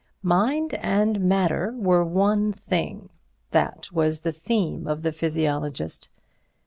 Mind and matter were one thing, that was the theme of the physiologist.